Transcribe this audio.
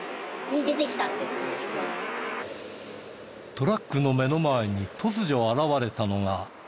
トラックの目の前に突如現れたのが。